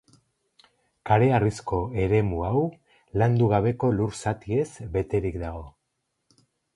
Kareharrizko eremu hau landu gabeko lur-zatiez beterik dago.